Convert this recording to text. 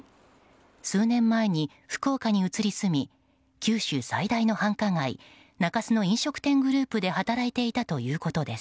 数年前に福岡に移り住み九州最大の繁華街・中洲の飲食店グループで働いていたということです。